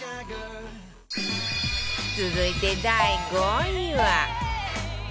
続いて第５位は